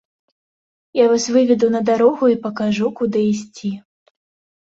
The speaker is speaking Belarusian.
Я вас выведу на дарогу і пакажу, куды ісці.